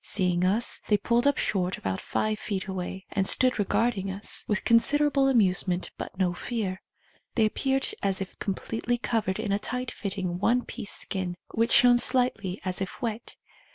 Seeing us, they pulled up short about five feet away, and stood regarding us with considerable amusement but no fear. They appeared as if completely covered in a tight fitting one piece skin, which shone slightly as if wet.